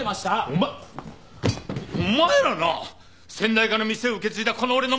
お前お前らな先代から店を受け継いだこの俺の。